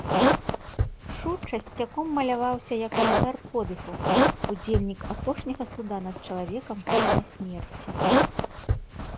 Шу часцяком маляваўся як уладар подыху, удзельнік апошняга суда над чалавекам пасля смерці.